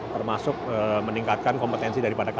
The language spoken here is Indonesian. termasuk meningkatkan kompetensi dari pemerintah